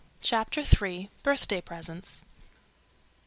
CHAPTER 3. BIRTHDAY PRESENTS.